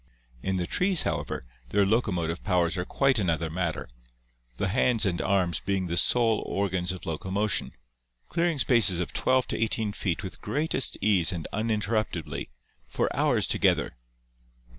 In the trees, however, their locomotive powers are quite another matter, the hands and arms being the sole organs of locomotion, clearing spaces of 12 to 18 feet with greatest ease and uninterrupt edly, for hours together.